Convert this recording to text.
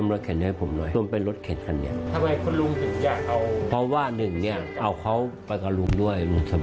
รักษาสมีรค่ายได้กำไรของเราก็ไหมครับ